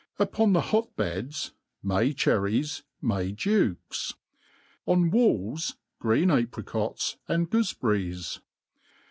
Upon the hot*beds, May cher ries. May dukes. On walls, green apricots, and gooleberries.